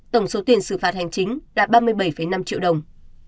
tổng số tiền xử phạt hành chính đạt ba mươi bảy năm triệu đồng